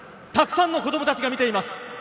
たくさんの子供たちが見ています。